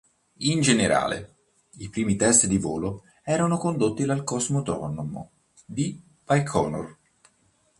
In generale, i primi test di volo erano condotti dal cosmodromo di Baikonur.